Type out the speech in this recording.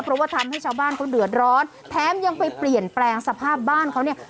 เพราะว่าทำให้ชาวบ้านเขาเดือดร้อนแถมยังไปเปลี่ยนแปลงสภาพบ้านเขาเนี่ย